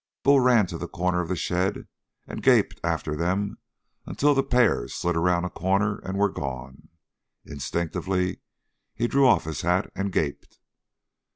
Bull ran to the corner of the shed and gaped after them until the pair slid around a corner and were gone. Instinctively he drew off his hat and gaped.